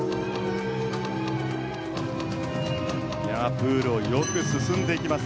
プールをよく進んでいきます。